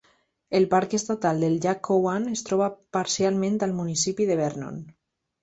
El Parc Estatal del Llac Cowan es troba parcialment al municipi de Vernon.